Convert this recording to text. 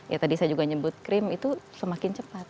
ya tadi saya juga nyebut krim itu semakin cepat